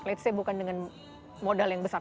let's say bukan dengan modal yang besar